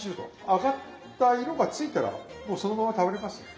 揚がった色がついたらもうそのまま食べれますんで。